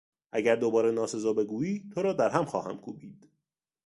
اگر دوباره ناسزا بگویی تو را در هم خواهم کوبید!